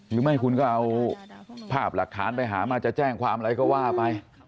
หรือไม่คุณก็เอาภาพหลักฐานไปหามาจะแจ้งความอะไรก็ว่าไป